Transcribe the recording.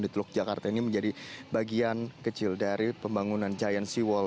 di teluk jakarta ini menjadi bagian kecil dari pembangunan giant sea wall